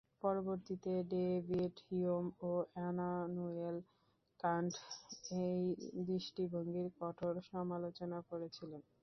পরবর্তীতে David Hume ও Immanuel Kant এই দৃষ্টিভঙ্গির কঠোর সমালোচনা করেছিলেন।